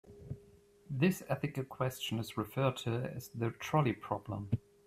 This ethical question is referred to as the trolley problem.